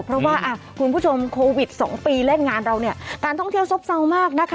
เพราะว่าคุณผู้ชมโควิดสองปีเล่นงานเราเนี่ยการท่องเที่ยวซบเศร้ามากนะคะ